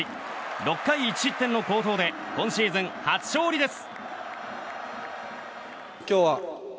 ６回１失点の好投で今シーズン初勝利です。